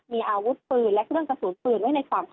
มีอารวุธปืนและเครื่องกระสูณปืน